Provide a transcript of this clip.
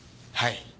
はい。